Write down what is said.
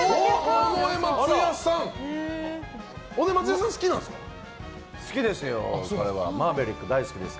尾上松也さん、好きなんですか。